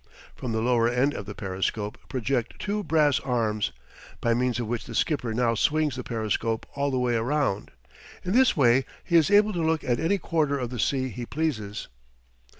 From the lower end of the periscope project two brass arms, by means of which the skipper now swings the periscope all the way around. In this way he is able to look at any quarter of the sea he pleases.